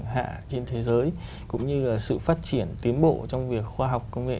hạ trên thế giới cũng như là sự phát triển tiến bộ trong việc khoa học công nghệ